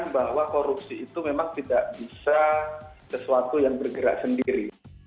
bahwa korupsi itu memang tidak bisa sesuatu yang bergerak sendiri